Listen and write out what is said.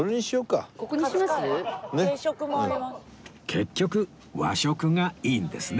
結局和食がいいんですね